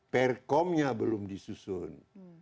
perkomnya belum disusun